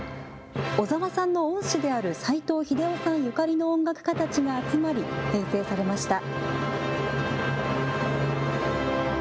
小澤さんの恩師である齋藤秀雄さんゆかりの音楽家たちが集まり編成されました。